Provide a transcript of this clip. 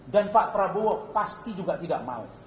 dan pak prabowo pasti juga tidak mau